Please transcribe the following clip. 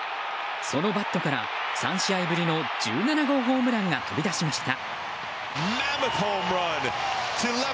そのバットから３試合ぶりの１７号ホームランが飛び出しました。